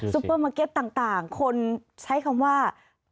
เปอร์มาร์เก็ตต่างคนใช้คำว่า